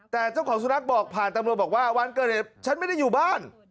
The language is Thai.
แต่เจ้าของสุนัขบอกผ่านตำรวจบอกว่าวันเกิดเหตุฉันไม่ได้อยู่บ้าน